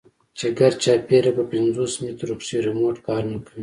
چې ګردچاپېره په پينځوس مټرو کښې ريموټ کار نه کوي.